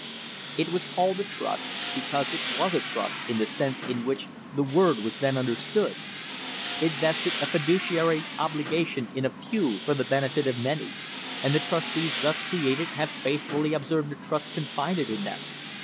It was called a trust, because it was a trust in the sense in which the word was then understood. It vested a fiduciary obligation in a few for the benefit of many, and the trustees thus created have faithfully observed the trust confided in them.